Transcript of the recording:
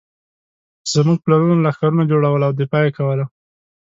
زموږ پلرونو لښکرونه جوړول او دفاع یې کوله.